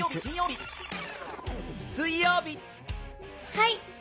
はい。